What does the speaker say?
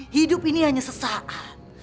hidup ini hanya sesaat